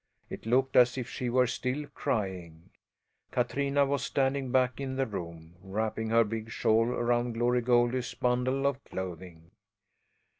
It looked as if she were still crying. Katrina was standing back in the room wrapping her big shawl around Glory Goldie's bundle of clothing.